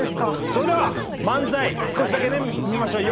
それでは漫才少しだけね見ましょう。